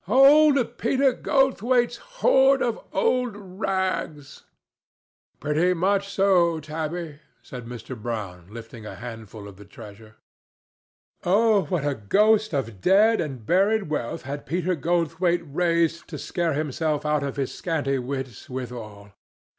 "Old Peter Goldthwaite's hoard of old rags!" "Pretty much so, Tabby," said Mr. Brown, lifting a handful of the treasure. Oh what a ghost of dead and buried wealth had Peter Goldthwaite raised to scare himself out of his scanty wits withal!